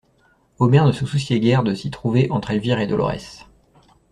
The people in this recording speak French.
Omer ne se souciait guère de s'y trouver entre Elvire et Dolorès.